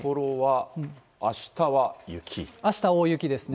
あした、大雪ですね。